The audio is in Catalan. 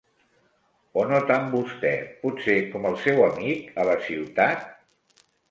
O no tant vostè, potser, com el seu amic a la ciutat?